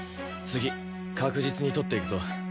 次確実に取っていくぞ。